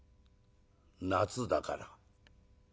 「夏だから」。